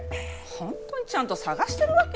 本当にちゃんと探してるわけ？